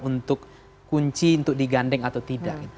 untuk kunci untuk digandeng atau tidak